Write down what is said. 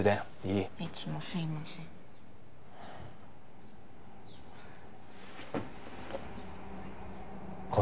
いつもすいません